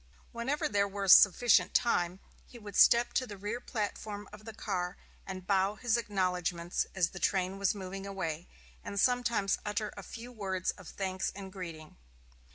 Whenever there was sufficient time, he would step to the rear platform of the car and bow his acknowledgments as the train was moving away, and sometimes utter a few words of thanks and greeting.